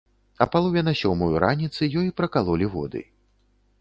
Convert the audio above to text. А палове на сёмую раніцы ёй пракалолі воды.